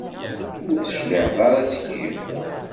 Ur d-tecliɛeḍ ara seg-i.